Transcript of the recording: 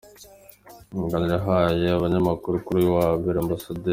Mu kiganiro yahaye abanyamakuru kuri uyu wa Mbere, Amb.